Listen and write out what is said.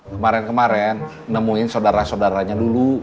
kemarin kemarin nemuin sodara sodaranya dulu